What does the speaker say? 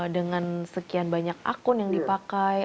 dengan sekian banyak akun yang dipakai